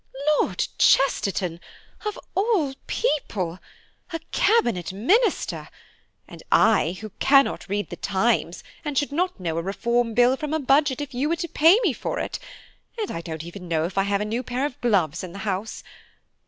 "Lord Chesterton of all people–a Cabinet Minister–and I, who cannot read the Times, and should not know a Reform Bill from a Budget if you were to pay me for it; and I don't even know if I have a new pair of gloves in the house.